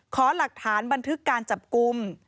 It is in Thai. ขอหลักฐานบันทึกการจับกลุ่ม